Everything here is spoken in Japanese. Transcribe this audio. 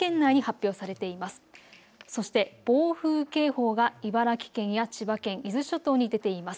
そして暴風警報が茨城県や千葉県、伊豆諸島に出ています。